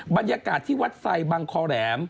บรรยากาศที่วัดไซดบังคอแหลม